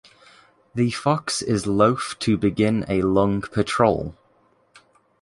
The fox is loath to begin a long patrol.